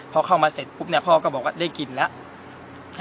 พอเข้ามาเสร็จปุ๊บพ่อก็บอกว่าได้กินแล้ว